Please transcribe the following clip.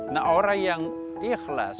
nah orang yang ikhlas